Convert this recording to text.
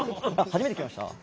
初めて聞きました？